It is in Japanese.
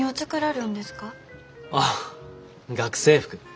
あ学生服。